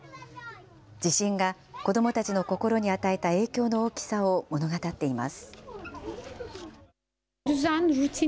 地震が子どもたちの心に与えた影響の大きさを物語っています。